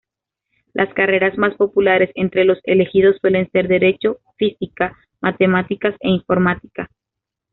Las carreras más populares entre los elegidos suelen ser Derecho, Físicas, Matemáticas e Informática.